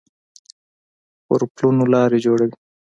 په پلونو لار جوړوي